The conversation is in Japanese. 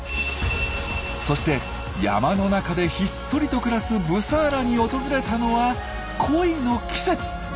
そして山の中でひっそりと暮らすブサーラに訪れたのは恋の季節！